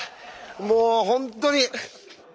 もう本当に！